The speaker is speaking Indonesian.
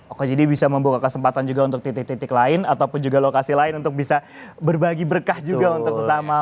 oke jadi bisa membuka kesempatan juga untuk titik titik lain ataupun juga lokasi lain untuk bisa berbagi berkah juga untuk sesama